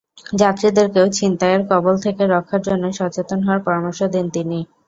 যাত্রীদেরকেও ছিনতাইয়ের কবল থেকে রক্ষার জন্য সচেতন হওয়ার পরামর্শ দেন তিনি।